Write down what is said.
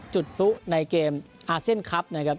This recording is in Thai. จุดรู้ในเกมอาร์เซียนคิ๊ปนะครับ